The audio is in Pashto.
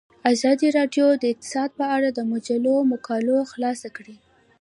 ازادي راډیو د اقتصاد په اړه د مجلو مقالو خلاصه کړې.